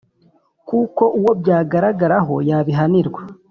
kuko uwo byagaragaraho yabihanirwa.